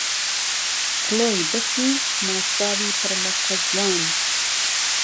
کڵۆی بهفر و ماستاوی پڕ له قهزوان